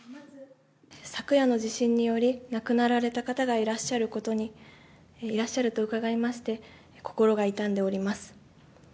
昨夜の地震により、亡くなられた方がいらっしゃることに、いらっしゃると伺いまして、心が痛んでおります。